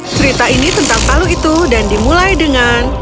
cerita ini tentang palu itu dan dimulai dengan